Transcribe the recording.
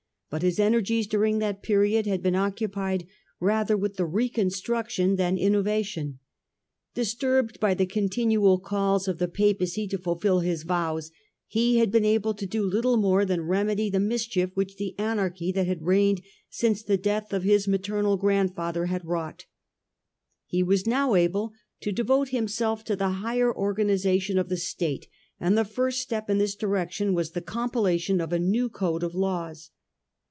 But his energies during that period had been occupied rather with the reconstruction than innovation : disturbed by the continual calls of the Papacy to fulfil his vows, he had been able to do little more than remedy the mischief which the anarchy that had reigned since the death of his maternal grand father had wrought. He was now able to devote himself to the higher organisation of the State, and the first step in this direction was the compilation of a new code of laws.